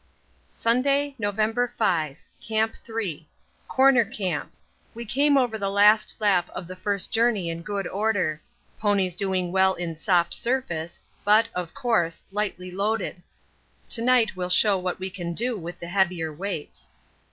Sunday, November 5. Camp 3. 'Corner Camp.' We came over the last lap of the first journey in good order ponies doing well in soft surface, but, of course, lightly loaded. To night will show what we can do with the heavier weights.